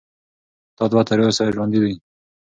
دا دود تر اوسه ژوندی دی.